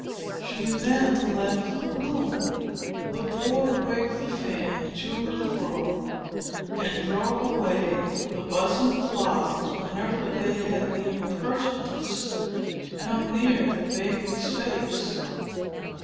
She then left the room. The boy waved the fan to and fro, and drove away the buzzing flies whenever they had the impertinence to come near the baby's face.